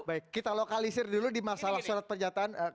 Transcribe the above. baik kita lokalisir dulu di masalah surat pernyataan